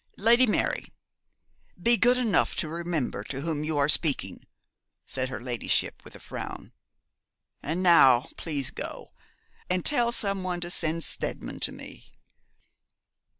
'Lady Mary, be good enough to remember to whom you are speaking,' said her ladyship, with a frown. 'And now please go, and tell some one to send Steadman to me.'